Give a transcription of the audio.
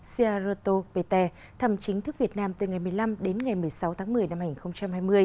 searoto peter thăm chính thức việt nam từ ngày một mươi năm đến ngày một mươi sáu tháng một mươi năm hai nghìn hai mươi